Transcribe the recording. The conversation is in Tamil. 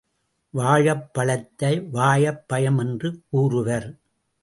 வாழப்பழத்தை—வாயப்பயம் என்று கூறுவர்.